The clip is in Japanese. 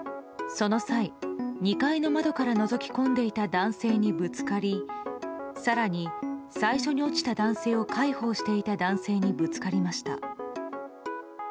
その際、２階の窓からのぞき込んでいた男性にぶつかり更に最初に落ちた男性を介抱していた男性にぶつかりました。